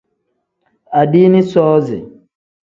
Adiini soozi.